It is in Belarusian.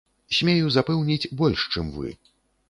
Смею запэўніць, больш, чым вы.